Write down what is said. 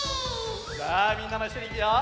さあみんなもいっしょにいくよ！